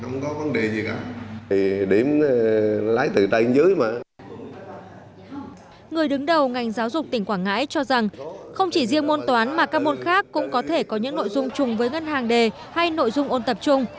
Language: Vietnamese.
người đứng đầu ngành giáo dục tỉnh quảng ngãi cho rằng không chỉ riêng môn toán mà các môn khác cũng có thể có những nội dung chung với ngân hàng đề hay nội dung ôn tập chung